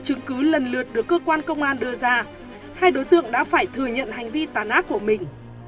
chứng cứ lần lượt được cơ quan công an đưa ra hai đối tượng đã phải thừa nhận hành vi tàn ác của mình